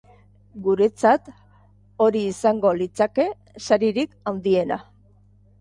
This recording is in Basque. Guretzat, hori izango litzateke saririk handiena.